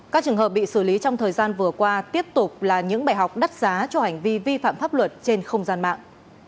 các trường hợp bị xử lý trong thời gian vừa qua tiếp tục là những bài học đắt giá cho hành vi vi phạm pháp luật trên không gian mạng